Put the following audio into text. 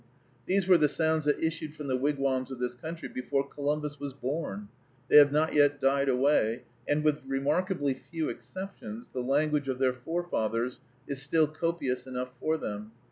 These were the sounds that issued from the wigwams of this country before Columbus was born; they have not yet died away; and, with remarkably few exceptions, the language of their forefathers is still copious enough for them.